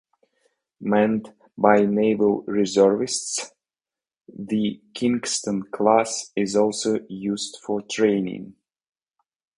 Manned by naval reservists, the "Kingston" class is also used for training.